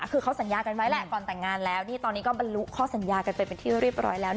คือเขาสัญญากันไว้แหละก่อนแต่งงานแล้วนี่ตอนนี้ก็บรรลุข้อสัญญากันไปเป็นที่เรียบร้อยแล้ว